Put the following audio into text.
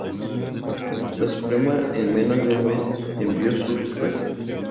La Suprema en menos de un mes envió su respuesta.